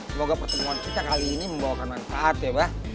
semoga pertemuan kita kali ini membawakan manfaat ya pak